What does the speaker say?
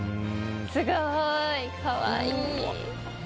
すごいかわいい！